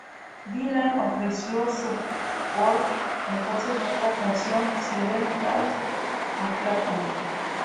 Dylan ofreció su por entonces nueva canción "Seven Days" a Clapton.